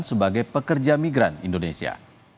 sebagai pekerja migran indonesia